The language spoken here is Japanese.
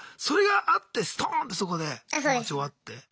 それがあってストーンッてそこで気持ち終わって。